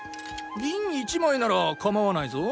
銀１枚なら構わないぞ。